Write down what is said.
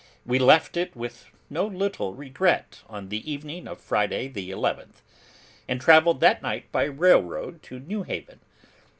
We left it with no little regret on the evening of Friday the 11th, and travelled that night by railroad to New Haven.